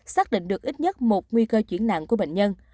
xác định được ít nhất một nguy cơ chuyển nặng của bệnh nhân